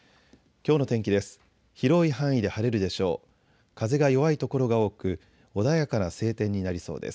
きょうの天気です。